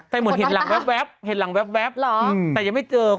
แต่เหมือนเห็นหลังแว๊บแต่ยังไม่เจอ